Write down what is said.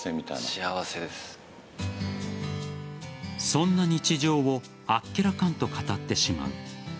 そんな日常をあっけらかんと語ってしまう。